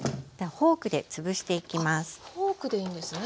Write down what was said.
フォークでいいんですね。